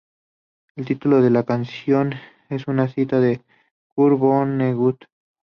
El título de la canción es una cita de Kurt Vonnegut.